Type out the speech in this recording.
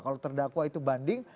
kalau terdakwa itu banding